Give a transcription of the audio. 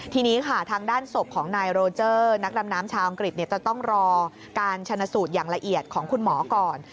ทีนี้ค่ะทางด้านศพของนายโรเจอร์นักดำน้ำชาวอังกฤษจะต้องรอการชนะสูตรอย่างละเอียดของคุณหมอก่อน